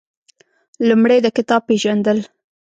لومړی د کتاب پېژندل